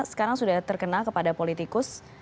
sekarang sudah terkena kepada politikus